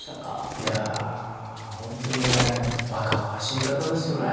いや、本当にね若々しい方ですよね。